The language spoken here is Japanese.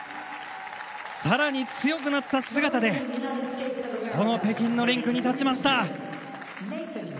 さらに強くなった姿でこの北京のリンクに立ちました。